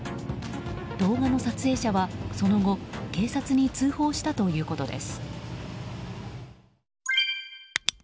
動画の撮影者はその後警察に通報したということです。